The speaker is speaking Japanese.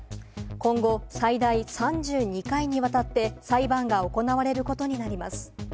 今後、最大３２回にわたって裁判が行われることになります。